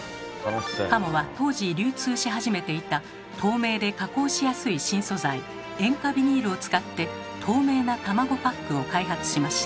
加茂は当時流通し始めていた透明で加工しやすい新素材「塩化ビニール」を使って透明な卵パックを開発しました。